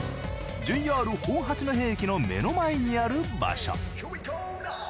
ＪＲ本八戸駅の目の前にある場所。